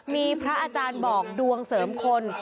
มีพระอาจารย์บอกดวงเสริมคน